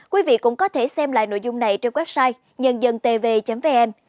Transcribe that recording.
quý vị cũng có thể xem lại nội dung này trên website nhân dân tv vn